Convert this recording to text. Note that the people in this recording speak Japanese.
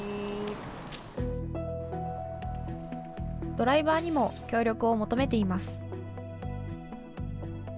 ドライバーにも協力を求めています。